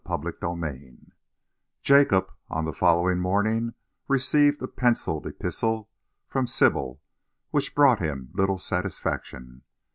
CHAPTER XIV Jacob, on the following morning, received a pencilled epistle from Sybil which brought him little satisfaction.